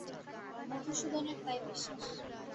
মধুসূদনের তাই বিশ্বাস।